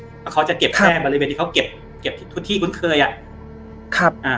เพราะเขาจะเก็บแค่บริเวณที่เขาเก็บทุกที่คุ้นเคยอะ